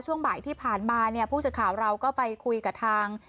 ช่วงบ่ายที่ผ่านมาผู้เรียนข่าวเราก็ไปคุยกับทาง